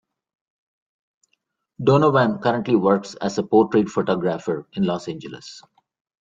Donavan currently works as a portrait photographer in Los Angeles.